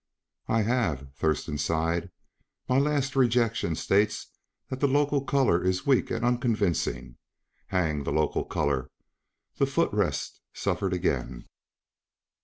"I have," Thurston sighed. "My last rejection states that the local color is weak and unconvincing. Hang the local color!" The foot rest suffered again.